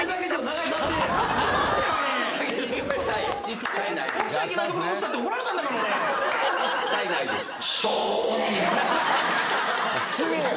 一切ないです。